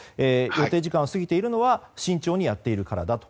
予定時間を過ぎているのは慎重にやっているからだと。